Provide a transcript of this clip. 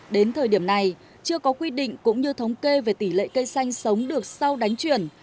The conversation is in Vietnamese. đến thời điểm này chưa có quy định cũng như thống kê về tỷ lệ cây xanh sống được sau đánh chuyển